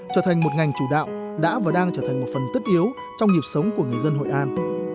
trở thành một ngành chủ đạo đã và đang trở thành một phần tất yếu trong nhịp sống của người dân hội an